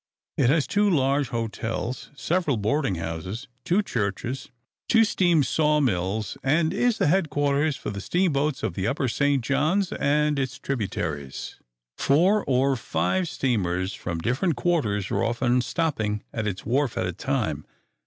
It has two large hotels, several boarding houses, two churches, two steam saw mills, and is the headquarters for the steamboats of the Upper St. John's and its tributaries. Four or five steamers from different quarters are often stopping at its wharf at a time.